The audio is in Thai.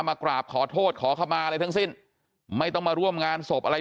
มากราบขอโทษขอเข้ามาอะไรทั้งสิ้นไม่ต้องมาร่วมงานศพอะไร